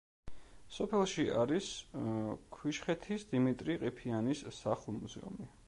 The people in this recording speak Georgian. სოფელში არის ქვიშხეთის დიმიტრი ყიფიანის სახლ-მუზეუმი.